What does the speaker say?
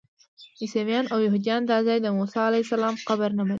عیسویان او یهودیان دا ځای د موسی علیه السلام قبر نه مني.